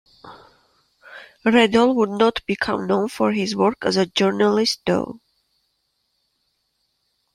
Redol would not become known for his work as a journalist though.